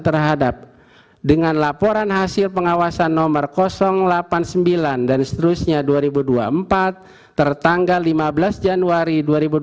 terhadap dengan laporan hasil pengawasan nomor delapan puluh sembilan dan seterusnya dua ribu dua puluh empat tertanggal lima belas januari dua ribu dua puluh